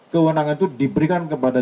kewenangan itu diberikan kepada